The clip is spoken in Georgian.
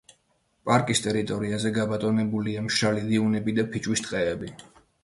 პარკის ტერიტორიაზე გაბატონებულია მშრალი დიუნები და ფიჭვის ტყეები.